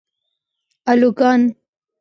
الوگان